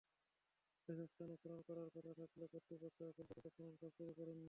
এসব স্থানে খনন করার কথা থাকলেও কর্তৃপক্ষ এখন পর্যন্ত খননকাজ শুরু করেনি।